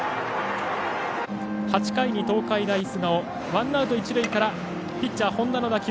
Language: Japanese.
８回に東海大菅生ワンアウト、一塁からピッチャー、本田の打球。